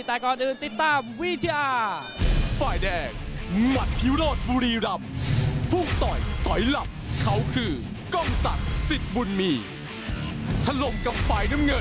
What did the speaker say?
แต่ก่อนอื่นติดต่อคำตอบพร้อมกันบนเวที